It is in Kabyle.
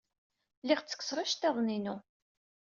Lliɣ ttekkseɣ iceḍḍiḍen-inu.